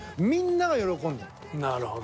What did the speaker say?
みんなが喜んでる。